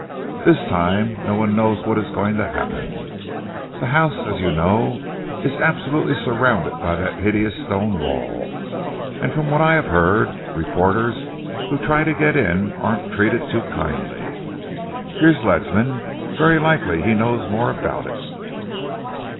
This time no one knows what is going to happen. The house, as you know, is absolutely surrounded by that hideous stone wall, and from what I have heard, reporters who try to get in aren't treated too kindly. Here's Ledsam. Very likely he knows more about it."